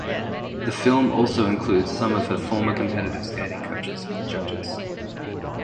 The film also includes some of her former competitive skating coaches and judges.